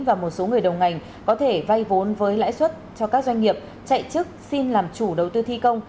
và một số người đầu ngành có thể vay vốn với lãi suất cho các doanh nghiệp chạy chức xin làm chủ đầu tư thi công